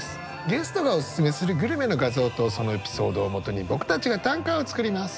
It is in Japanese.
ゲストがオススメするグルメの画像とそのエピソードをもとに僕たちが短歌を作ります。